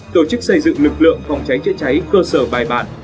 tổ chức xây dựng lực lượng phòng cháy chữa cháy cơ sở bài bản